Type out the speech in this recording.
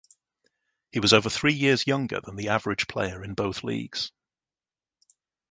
He was over three years younger than the average player in both leagues.